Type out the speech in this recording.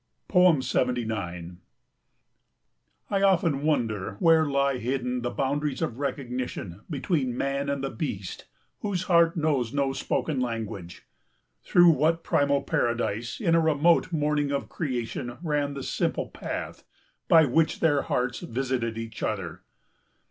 79 I often wonder where lie hidden the boundaries of recognition between man and the beast whose heart knows no spoken language. Through what primal paradise in a remote morning of creation ran the simple path by which their hearts visited each other.